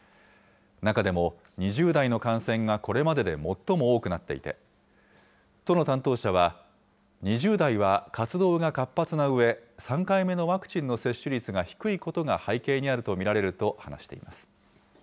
中でも、２０代の感染がこれまでで最も多くなっていて、都の担当者は、２０代は活動が活発なうえ、３回目のワクチンの接種率が低いことが背景にあると見られると話しています。